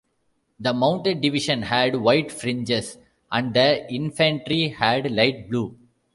The mounted division had white fringes, and the infantry had light blue.